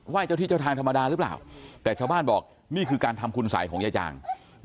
เจ้าที่เจ้าทางธรรมดาหรือเปล่าแต่ชาวบ้านบอกนี่คือการทำคุณสัยของยายจาง